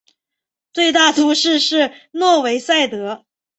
最大都市是诺维萨德。